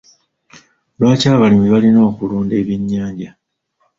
Lwaki abalimi balina okulunda ebyennyanja?